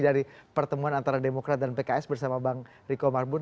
dari pertemuan antara demokrat dan pks bersama bang riko marbun